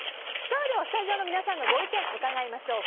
ではスタジオの皆さんのご意見伺いましょう。